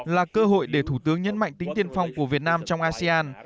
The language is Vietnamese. là cơ hội để thủ tướng nhấn mạnh tính tiên phong của việt nam trong asean